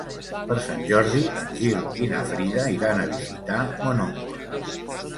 Per Sant Jordi en Gil i na Frida iran a visitar mon oncle.